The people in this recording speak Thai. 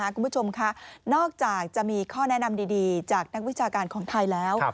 คุณผู้ชมค่ะนอกจากจะมีข้อแนะนำดีจากนักวิชาการของไทยแล้ว